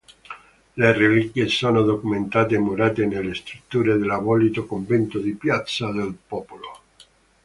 Le reliquie sono documentate murate nelle strutture dell'abolito convento di Piazza del Popolo.